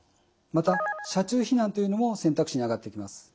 また車中避難というのも選択肢にあがってきます。